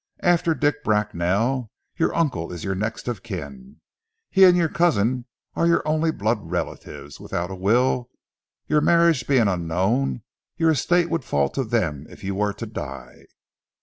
"After Dick Bracknell, your uncle is your next of kin. He and your cousin are your only blood relatives. Without a will, your marriage being unknown, your estate would fall to them if you were to die."